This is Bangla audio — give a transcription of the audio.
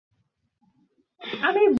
তিনি সকলের প্রভু, সকলের পিতা, দয়াময়, সমদর্শী।